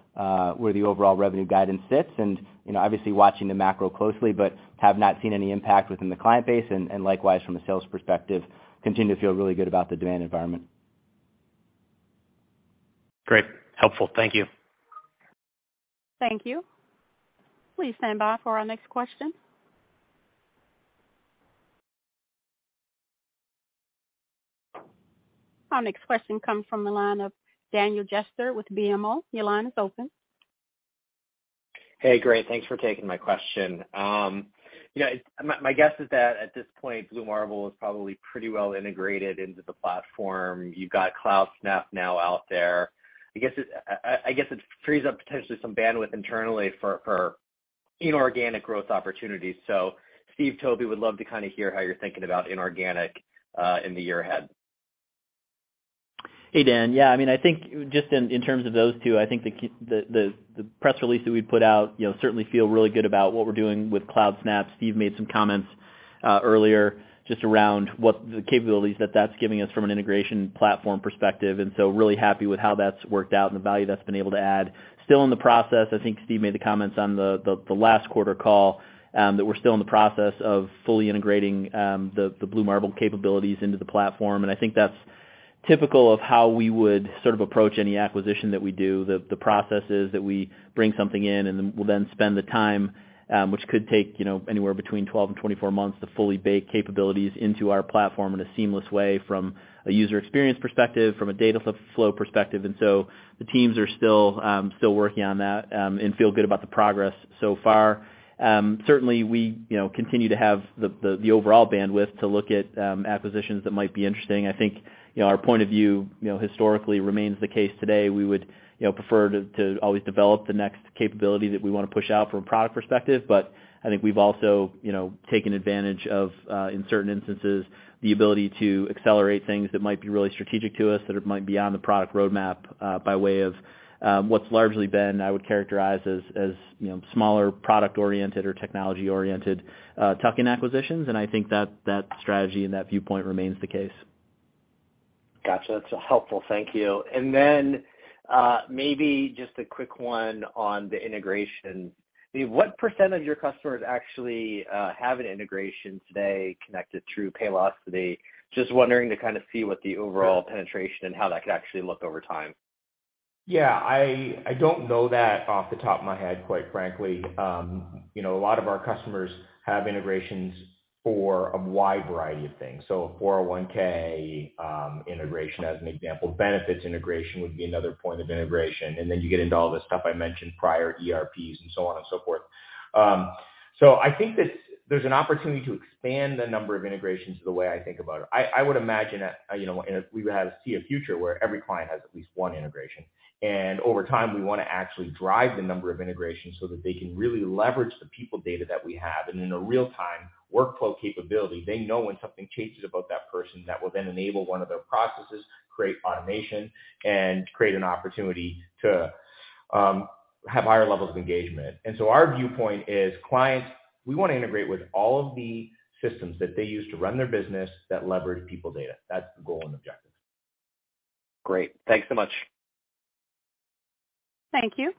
where the overall revenue guidance sits. You know, obviously watching the macro closely, but have not seen any impact within the client base, and likewise from a sales perspective, continue to feel really good about the demand environment. Great. Helpful. Thank you. Thank you. Please stand by for our next question. Our next question comes from the line of Daniel Jester with BMO. Your line is open. Hey, great. Thanks for taking my question. You know, my guess is that at this point, Blue Marble is probably pretty well integrated into the platform. You've got Cloudsnap now out there. I guess it frees up potentially some bandwidth internally for inorganic growth opportunities. Steve, Toby, would love to kinda hear how you're thinking about inorganic in the year ahead. Hey, Dan. Yeah, I mean, I think just in terms of those two, I think the press release that we put out, you know, certainly feel really good about what we're doing with Cloudsnap. Steve made some comments earlier just around what the capabilities that that's giving us from an integration platform perspective. Really happy with how that's worked out and the value that's been able to add. Still in the process, I think Steve made the comments on the last quarter call, that we're still in the process of fully integrating the Blue Marble capabilities into the platform. I think that's typical of how we would sort of approach any acquisition that we do. The process is that we bring something in, and then we'll then spend the time, which could take, you know, anywhere between 12 and 24 months to fully bake capabilities into our platform in a seamless way from a user experience perspective, from a data flow perspective. The teams are still working on that and feel good about the progress so far. Certainly we, you know, continue to have the overall bandwidth to look at acquisitions that might be interesting. I think, you know, our point of view, you know, historically remains the case today. We would, you know, prefer to always develop the next capability that we wanna push out from a product perspective. I think we've also, you know, taken advantage of, in certain instances, the ability to accelerate things that might be really strategic to us, that it might be on the product roadmap, by way of, what's largely been, I would characterize as, you know, smaller product-oriented or technology-oriented, tuck-in acquisitions. I think that strategy and that viewpoint remains the case. Gotcha. That's helpful. Thank you. Then, maybe just a quick one on the integration. Steve, what % of your customers actually have an integration today connected through Paylocity? Just wondering to kind of see what the overall penetration and how that could actually look over time. Yeah. I don't know that off the top of my head, quite frankly. you know, a lot of our customers have integrations for a wide variety of things. 401(k) integration, as an example. Benefits integration would be another point of integration. You get into all the stuff I mentioned prior, ERPs and so on and so forth. I think that there's an opportunity to expand the number of integrations is the way I think about it. I would imagine that, you know, and we would have to see a future where every client has at least one integration. Over time, we wanna actually drive the number of integrations so that they can really leverage the people data that we have. In a real-time workflow capability, they know when something changes about that person that will then enable one of their processes, create automation, and create an opportunity to have higher levels of engagement. Our viewpoint is clients, we wanna integrate with all of the systems that they use to run their business that leverage people data. That's the goal and objective. Great. Thanks so much. Thank you.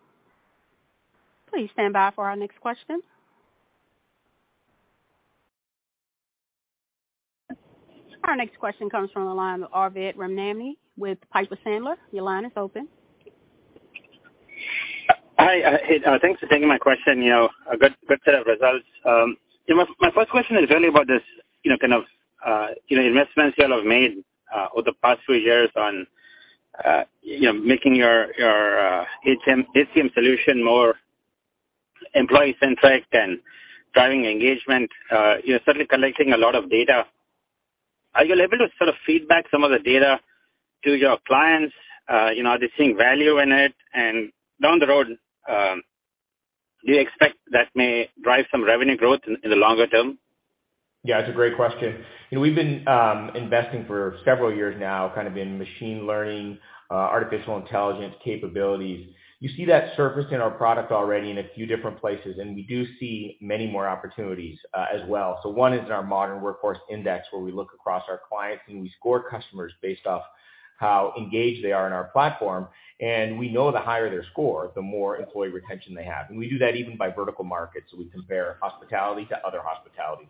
Please stand by for our next question. Our next question comes from the line of Arvind Ramnani with Piper Sandler. Your line is open. Hi, hey, thanks for taking my question. You know, a good set of results. You know, my first question is really about this, you know, kind of, you know, investments you all have made over the past few years on, you know, making your HCM solution more employee-centric and driving engagement. You're certainly collecting a lot of data. Are you able to sort of feedback some of the data to your clients? You know, are they seeing value in it? Down the road, do you expect that may drive some revenue growth in the longer term? Yeah, it's a great question. You know, we've been investing for several years now, kind of in machine learning, artificial intelligence capabilities. You see that surfaced in our product already in a few different places, we do see many more opportunities as well. One is in our Modern Workforce Index, where we look across our clients and we score customers based off how engaged they are in our platform. We know the higher their score, the more employee retention they have. We do that even by vertical markets. We compare hospitality to other hospitality.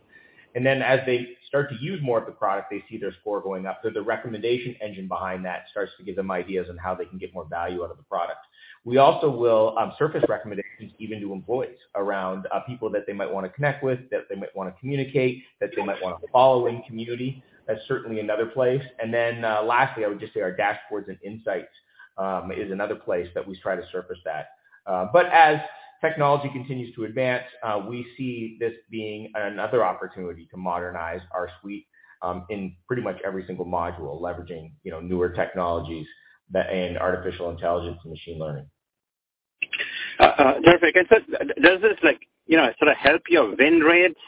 As they start to use more of the product, they see their score going up. The recommendation engine behind that starts to give them ideas on how they can get more value out of the product. We also will surface recommendations even to employees around people that they might wanna connect with, that they might wanna communicate, that they might wanna follow in Community. That's certainly another place. Lastly, I would just say our dashboards and insights is another place that we try to surface that. As technology continues to advance, we see this being another opportunity to modernize our suite, in pretty much every single module, leveraging, you know, newer technologies and artificial intelligence and machine learning. Perfect. Does this like, you know, sort of help your win rates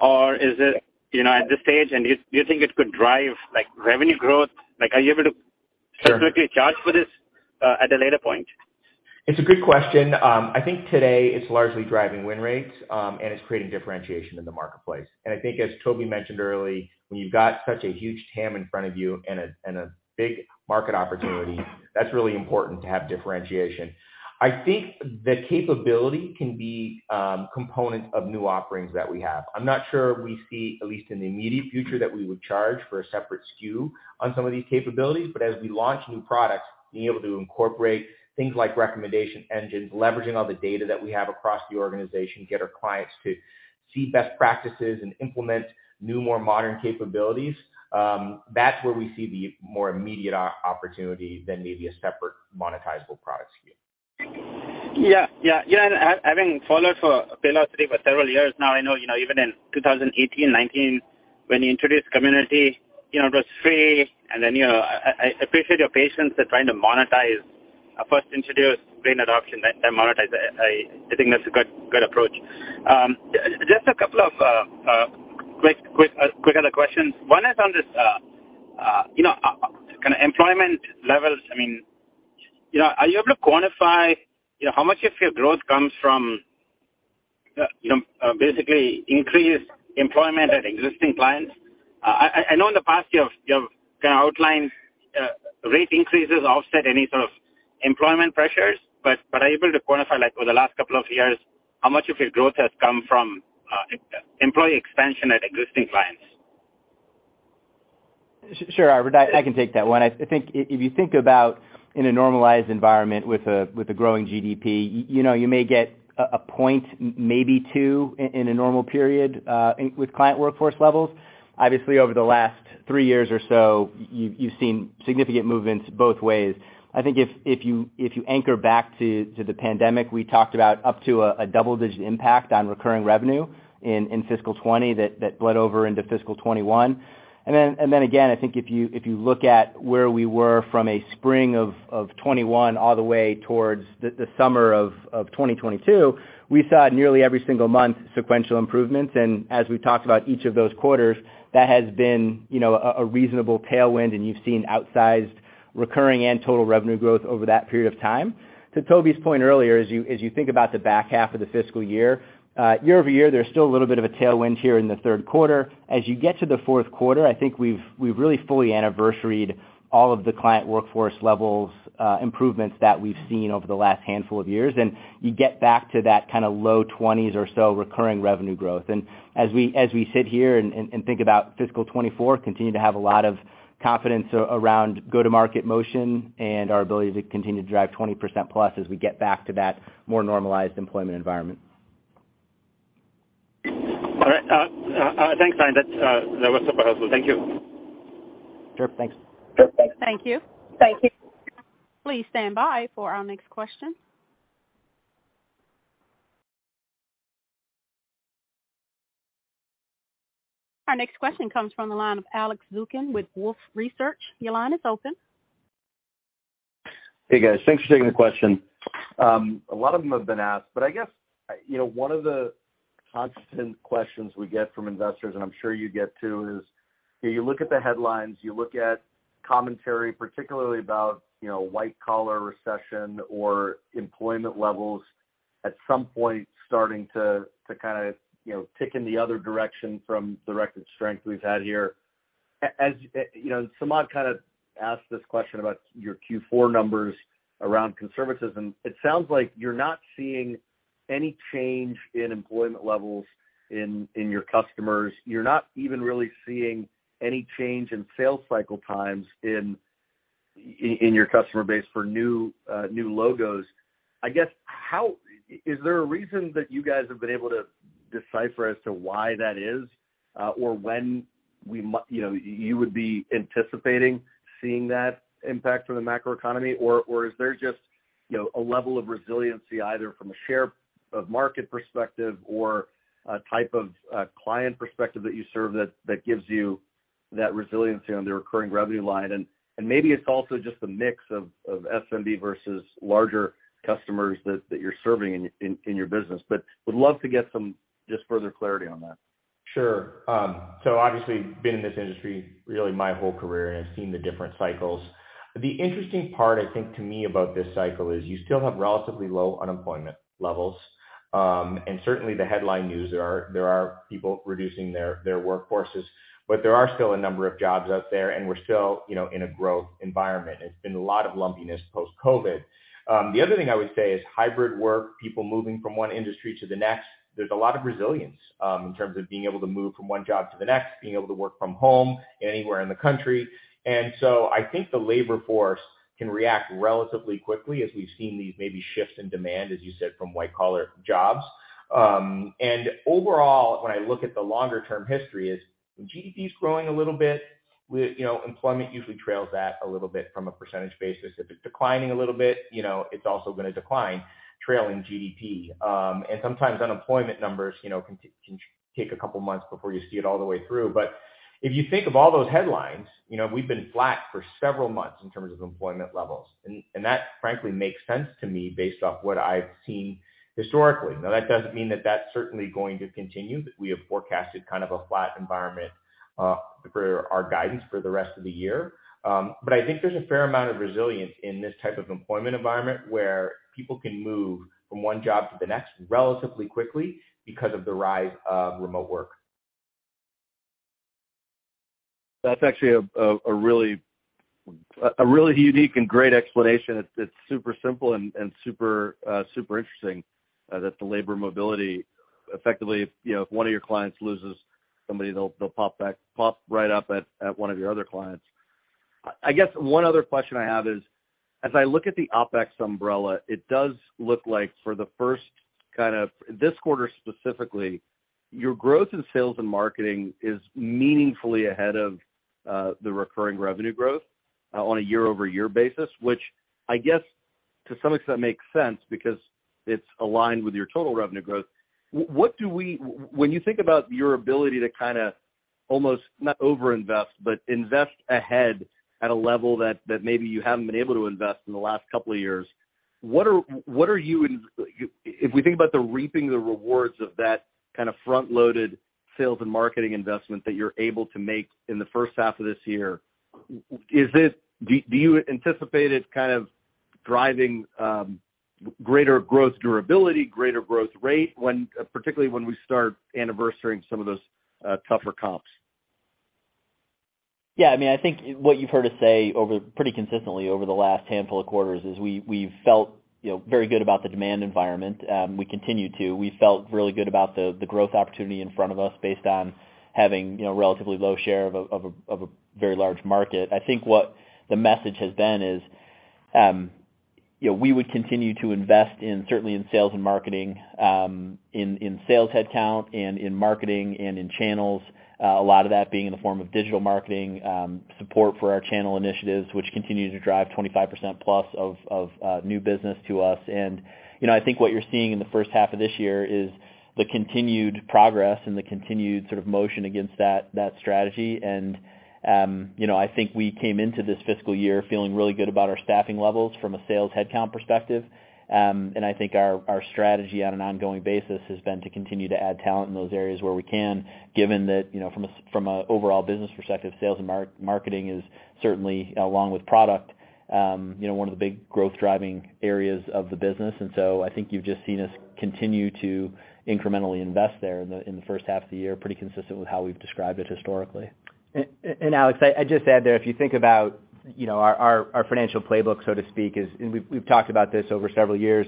or is it, you know, at this stage, do you think it could drive like revenue growth? Like, are you able. Sure. Specifically charge for this, at a later point? It's a good question. I think today it's largely driving win rates, and it's creating differentiation in the marketplace. I think as Toby mentioned early, when you've got such a huge TAM in front of you and a big market opportunity, that's really important to have differentiation. I think the capability can be component of new offerings that we have. I'm not sure we see, at least in the immediate future, that we would charge for a separate SKU on some of these capabilities. As we launch new products, being able to incorporate things like recommendation engines, leveraging all the data that we have across the organization, get our clients to see best practices and implement new, more modern capabilities, that's where we see the more immediate opportunity than maybe a separate monetizable product SKU. Yeah. Yeah. Yeah, I've been followed for Paylocity for several years now. I know, you know, even in 2018, 2019 when you introduced Community, you know, it was free. You know, I appreciate your patience and trying to monetize, first introduce, gain adoption, then monetize. I think that's a good approach. Just a couple of quick other questions. One is on this, you know, kinda employment levels. I mean, you know, are you able to quantify, you know, how much of your growth comes from, basically increased employment at existing clients? I know in the past you have kinda outlined rate increases offset any sort of employment pressures, but are you able to quantify, like over the last couple of years, how much of your growth has come from employee expansion at existing clients? Sure, Albert, I can take that one. I think if you think about in a normalized environment with a growing GDP, you know, you may get a point, maybe two in a normal period with client workforce levels. Obviously, over the last 3 years or so, you've seen significant movements both ways. I think if you anchor back to the pandemic, we talked about up to a double-digit impact on recurring revenue in fiscal 2020 that bled over into fiscal 2021. Again, I think if you look at where we were from a spring of 2021 all the way towards the summer of 2022, we saw nearly every single month sequential improvements. As we've talked about each of those quarters, that has been, you know, a reasonable tailwind and you've seen outsized recurring and total revenue growth over that period of time. To Toby's point earlier, as you, as you think about the back half of the fiscal year-over-year, there's still a little bit of a tailwind here in the third quarter. As you get to the fourth quarter, I think we've really fully anniversaried all of the client workforce levels, improvements that we've seen over the last handful of years. You get back to that kind of low 20s or so recurring revenue growth. As we sit here and think about fiscal 2024, continue to have a lot of confidence around go-to-market motion and our ability to continue to drive 20% plus as we get back to that more normalized employment environment. All right. Thanks, Ryan. That was super helpful. Thank you. Sure. Thanks. Sure. Thanks. Thank you. Thank you. Please standby for our next question. Our next question comes from the line of Alex Zukin with Wolfe Research. Your line is open. Hey, guys. Thanks for taking the question. I guess, you know, one of the constant questions we get from investors, and I'm sure you get too, is, you know, you look at the headlines, you look at commentary, particularly about, you know, white-collar recession or employment levels at some point starting to kinda, you know, tick in the other direction from the record strength we've had here. As, you know, Samad kind of asked this question about your Q4 numbers around conservatism. It sounds like you're not seeing any change in employment levels in your customers. You're not even really seeing any change in sales cycle times in your customer base for new logos. I guess how... Is there a reason that you guys have been able to decipher as to why that is, or when you would be anticipating seeing that impact from the macroeconomy? Is there just, you know, a level of resiliency, either from a share of market perspective or a type of client perspective that you serve that gives you that resiliency on the recurring revenue line? Maybe it's also just a mix of SMB versus larger customers that you're serving in your business. Would love to get some just further clarity on that. Sure. Obviously been in this industry really my whole career and I've seen the different cycles. The interesting part I think to me about this cycle is you still have relatively low unemployment levels. Certainly the headline news, there are people reducing their workforces, but there are still a number of jobs out there, and we're still, you know, in a growth environment. It's been a lot of lumpiness post-COVID. The other thing I would say is hybrid work, people moving from one industry to the next, there's a lot of resilience, in terms of being able to move from one job to the next, being able to work from home anywhere in the country. I think the labor force can react relatively quickly as we've seen these maybe shifts in demand, as you said, from white-collar jobs. Overall, when I look at the longer term history is GDP is growing a little bit. You know, employment usually trails that a little bit from a percentage basis. If it's declining a little bit, you know, it's also gonna decline trailing GDP. Sometimes unemployment numbers, you know, can take a couple months before you see it all the way through. If you think of all those headlines, you know, we've been flat for several months in terms of employment levels. That frankly makes sense to me based off what I've seen historically. Now, that doesn't mean that that's certainly going to continue, but we have forecasted kind of a flat environment for our guidance for the rest of the year. I think there's a fair amount of resilience in this type of employment environment where people can move from one job to the next relatively quickly because of the rise of remote work. That's actually a really unique and great explanation. It's super simple and super interesting, that the labor mobility effectively, you know, if one of your clients loses somebody, they'll pop right up at one of your other clients. I guess one other question I have is, as I look at the OpEx umbrella, it does look like for the first this quarter specifically, your growth in sales and marketing is meaningfully ahead of the recurring revenue growth on a year-over-year basis, which I guess to some extent makes sense because it's aligned with your total revenue growth. When you think about your ability to kinda almost not overinvest, but invest ahead at a level that maybe you haven't been able to invest in the last couple of years, if we think about the reaping the rewards of that kind of front-loaded sales and marketing investment that you're able to make in the first half of this year, do you anticipate it kind of driving greater growth durability, greater growth rate when, particularly when we start anniversarying some of those tougher comps? Yeah. I mean, I think what you've heard us say over pretty consistently over the last handful of quarters is we've felt, you know, very good about the demand environment. We felt really good about the growth opportunity in front of us based on having, you know, relatively low share of a very large market. I think what the message has been is, you know, we would continue to invest in certainly in sales and marketing, in sales headcount and in marketing and in channels, a lot of that being in the form of digital marketing, support for our channel initiatives, which continue to drive 25% plus of new business to us. You know, I think what you're seeing in the first half of this year is the continued progress and the continued sort of motion against that strategy. You know, I think we came into this fiscal year feeling really good about our staffing levels from a sales headcount perspective. I think our strategy on an ongoing basis has been to continue to add talent in those areas where we can, given that, you know, from a overall business perspective, sales and marketing is certainly, along with product, you know, one of the big growth-driving areas of the business. I think you've just seen us continue to incrementally invest there in the first half of the year, pretty consistent with how we've described it historically. Alex, I'd just add there, if you think about, you know, our financial playbook, so to speak, is, and we've talked about this over several years.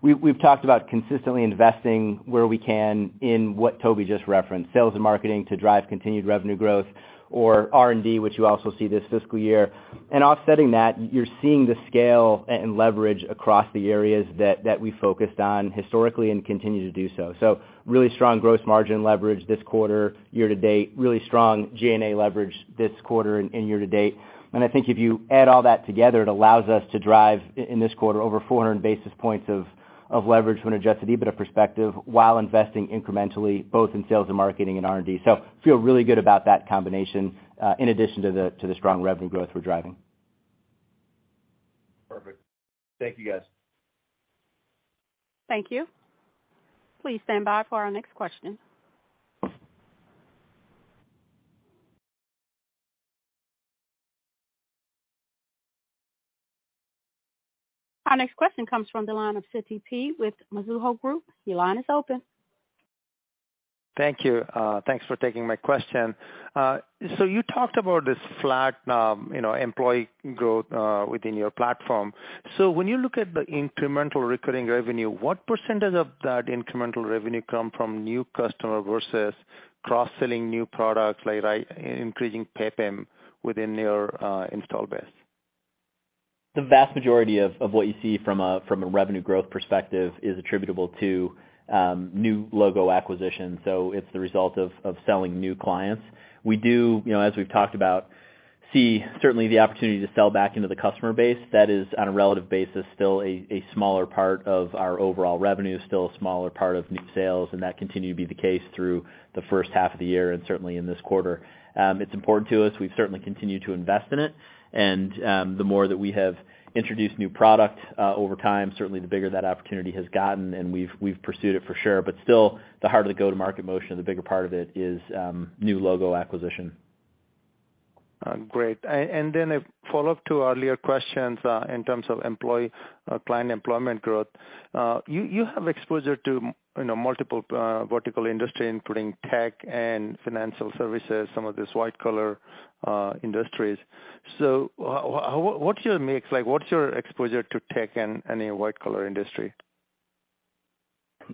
We've talked about consistently investing where we can in what Toby just referenced, sales and marketing to drive continued revenue growth or R&D, which you also see this fiscal year. Offsetting that, you're seeing the scale and leverage across the areas that we focused on historically and continue to do so. Really strong gross margin leverage this quarter year to date, really strong G&A leverage this quarter and year to date. I think if you add all that together, it allows us to drive in this quarter over 400 basis points of leverage from an Adjusted EBITDA perspective while investing incrementally both in sales and marketing and R&D. Feel really good about that combination, in addition to the strong revenue growth we're driving. Perfect. Thank you, guys. Thank you. Please stand by for our next question. Our next question comes from the line of Sitikantha Panigrahi with Mizuho Group. Your line is open. Thank you. Thanks for taking my question. You talked about this flat, you know, employee growth within your platform. When you look at the incremental recurring revenue, what percentage of that incremental revenue come from new customer versus cross-selling new products, like increasing PEPM within your install base? The vast majority of what you see from a revenue growth perspective is attributable to new logo acquisition. It's the result of selling new clients. We do, you know, as we've talked about, see certainly the opportunity to sell back into the customer base. That is, on a relative basis, still a smaller part of our overall revenue, still a smaller part of new sales, and that continue to be the case through the first half of the year and certainly in this quarter. It's important to us. We've certainly continued to invest in it. The more that we have introduced new product over time, certainly the bigger that opportunity has gotten, and we've pursued it for sure. Still, the heart of the go-to-market motion, the bigger part of it is new logo acquisition. Great. A follow-up to earlier questions, in terms of employee, client employment growth. You have exposure to, you know, multiple, vertical industry, including tech and financial services, some of these white-collar, industries. What's your mix? Like, what's your exposure to tech and in white-collar industry?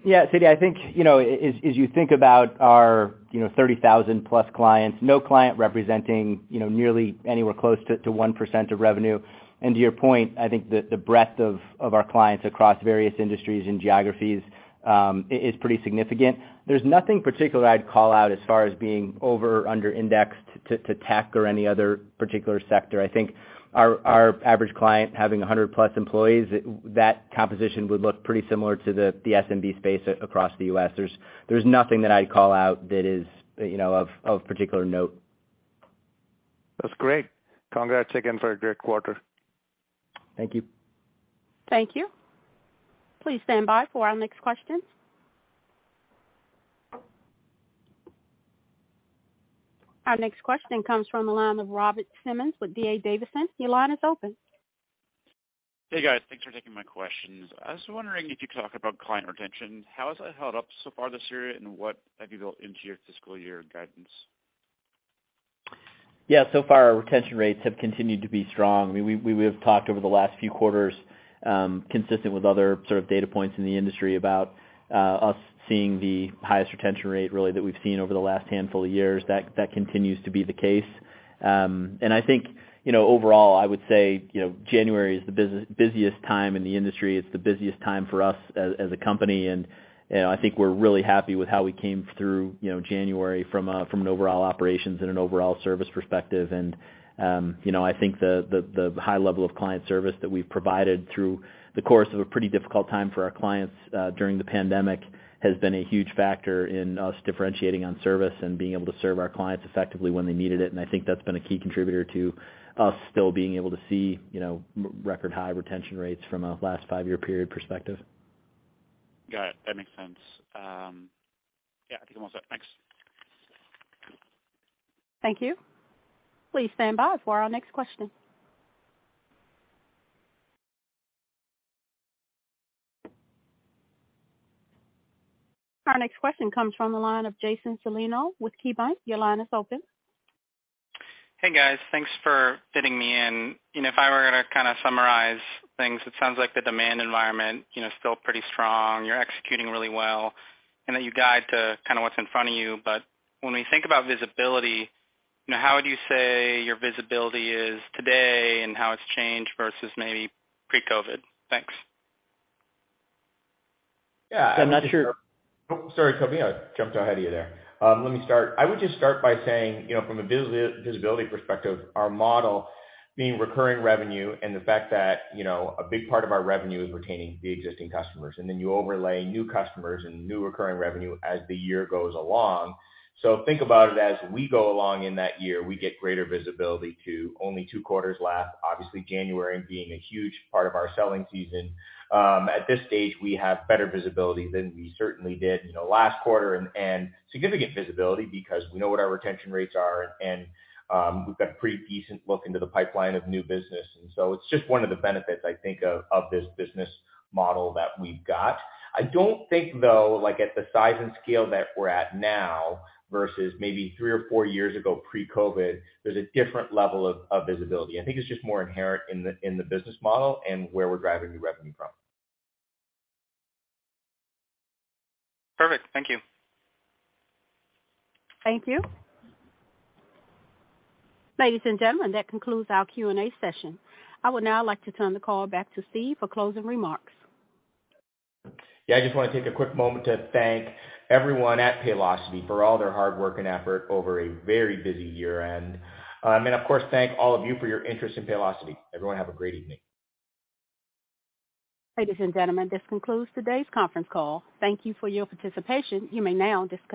Yeah, Siti, I think, you know, as you think about our, you know, 30,000 plus clients, no client representing, you know, nearly anywhere close to 1% of revenue. To your point, I think the breadth of our clients across various industries and geographies is pretty significant. There's nothing particular I'd call out as far as being over or under indexed to tech or any other particular sector. I think our average client having 100 plus employees, that composition would look pretty similar to the SMB space across the U.S. There's nothing that I'd call out that is, you know, of particular note. That's great. Congrats again for a great quarter. Thank you. Thank you. Please stand by for our next question. Our next question comes from the line of Robert Simmons with D.A. Davidson. Your line is open. Hey, guys. Thanks for taking my questions. I was wondering if you could talk about client retention. How has that held up so far this year, and what have you built into your fiscal year guidance? Yeah. So far our retention rates have continued to be strong. We've talked over the last few quarters, consistent with other sort of data points in the industry about us seeing the highest retention rate really that we've seen over the last handful of years. That continues to be the case. I think, you know, overall, I would say, you know, January is the busiest time in the industry. It's the busiest time for us as a company. You know, I think we're really happy with how we came through, you know, January from an overall operations and an overall service perspective. You know, I think the, the high level of client service that we've provided through the course of a pretty difficult time for our clients, during the pandemic has been a huge factor in us differentiating on service and being able to serve our clients effectively when they needed it. I think that's been a key contributor to us still being able to see, you know, record high retention rates from a last 5-year period perspective. Got it. That makes sense. Yeah. I think that's all. Thanks. Thank you. Please stand by for our next question. Our next question comes from the line of Jason Celino with KeyBanc. Your line is open. Hey, guys. Thanks for fitting me in. You know, if I were gonna kinda summarize things, it sounds like the demand environment, you know, is still pretty strong. You're executing really well, and that you guide to kinda what's in front of you. When we think about visibility, you know, how would you say your visibility is today and how it's changed versus maybe pre-COVID? Thanks. Yeah. I'm not sure... Sorry, Toby, I jumped ahead of you there. Let me start. I would just start by saying, you know, from a visibility perspective, our model being recurring revenue and the fact that, you know, a big part of our revenue is retaining the existing customers, and then you overlay new customers and new recurring revenue as the year goes along. Think about it as we go along in that year, we get greater visibility to only two quarters left, obviously, January being a huge part of our selling season. At this stage, we have better visibility than we certainly did, you know, last quarter and significant visibility because we know what our retention rates are and we've got a pretty decent look into the pipeline of new business. It's just one of the benefits, I think, of this business model that we've got. I don't think, though, like, at the size and scale that we're at now versus maybe three or four years ago pre-COVID, there's a different level of visibility. I think it's just more inherent in the business model and where we're driving new revenue from. Perfect. Thank you. Thank you. Ladies and gentlemen, that concludes our Q&A session. I would now like to turn the call back to Steve for closing remarks. Yeah. I just wanna take a quick moment to thank everyone at Paylocity for all their hard work and effort over a very busy year-end. Of course, thank all of you for your interest in Paylocity. Everyone, have a great evening. Ladies and gentlemen, this concludes today's conference call. Thank you for your participation. You may now disconnect.